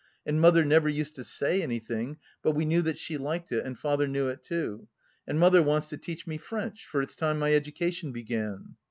"And mother never used to say anything, but we knew that she liked it and father knew it, too. And mother wants to teach me French, for it's time my education began."